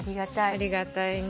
ありがたいね。